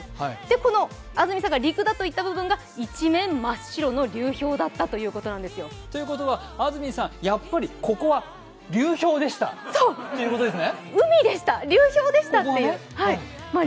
この安住さんが陸だと言っていた部分が一面、真っ白の流氷だったんですよということは安住さん、やっぱりここは流氷でしたということですね。